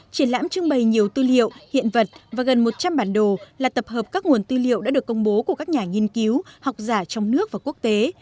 triển lãm trưng bày nhiều tư liệu hiện vật và gần một trăm linh bản đồ là tập hợp các nguồn tư liệu đã được công bố của các nhà nghiên cứu học giả trong nước và quốc tế